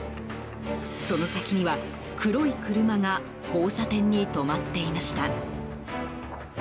その先には、黒い車が交差点に止まっていました。